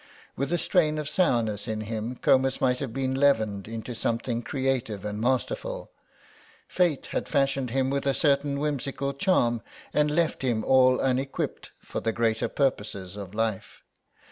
With a strain of sourness in him Comus might have been leavened into something creative and masterful; fate had fashioned him with a certain whimsical charm, and left him all unequipped for the greater purposes of life.